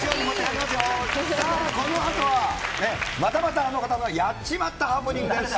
さあ、このあとは、またまたあの方のやっちまったハプニングです。